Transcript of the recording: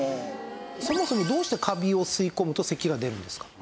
そもそもどうしてカビを吸い込むと咳が出るんですか？